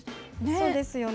そうですよね。